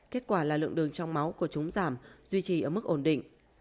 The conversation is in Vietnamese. kết quả là lượng đường trong máu của chúng giảm duy trì ở mức ổn định